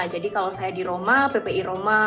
jadi kalau saya di roma ppi roma